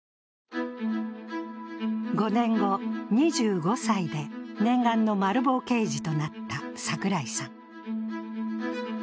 ５年後、２５歳で念願のマル暴刑事となった櫻井さん。